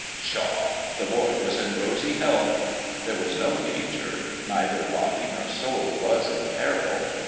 Pshaw ! the boy was in rosy health. There was no danger ; neither body nor soul was in peril.